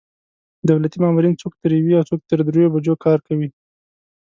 دولتي مامورین څوک تر یوې او څوک تر درېیو بجو کار کوي.